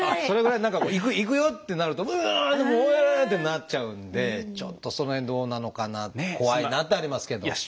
それぐらい何かこういくよ！ってなるとうううう！ってなっちゃうんでちょっとその辺どうなのかな怖いなってありますけど。